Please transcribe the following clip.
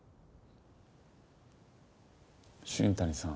新谷さん。